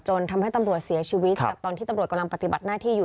ทำให้ตำรวจเสียชีวิตจากตอนที่ตำรวจกำลังปฏิบัติหน้าที่อยู่